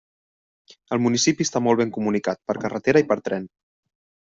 El municipi està molt ben comunicat per carretera i per tren.